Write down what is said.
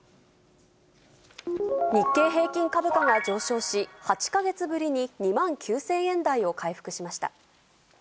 日経平均株価が上昇し、８か月ぶりに２万９０００円台を回復しました。